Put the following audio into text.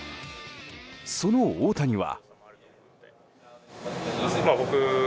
その大谷は。